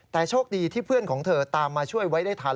แต่โชคดีที่เพื่อนของเธอตามมาช่วยไว้ได้ทัน